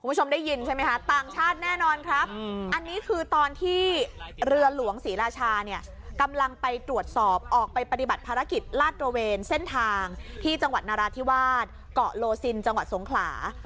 คุณผู้ชมได้ยินใช่ไหมคะต่างชาติแน่นอนครับอันนี้คือตอนที่เรือหลวงศรีราชาเนี่ยกำลังไปตรวจสอบออกไปปฏิบัติภารกิจลาดตระเวนเส้นทางที่จังหวัดนราธิวาสเกาะโลซินจังหวัดสงขลา